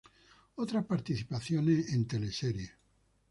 Otras participaciones en teleseries